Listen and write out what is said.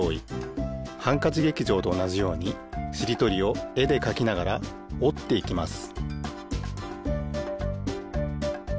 「ハンカチ劇場」とおなじようにしりとりをえでかきながらおっていきます